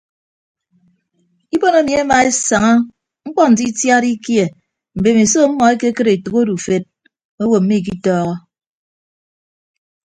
Ibon emi emaesaña mkpọ nte itiad ikie mbemiso ọmmọ ekekịd etәk odufed owo mmikitọọhọ.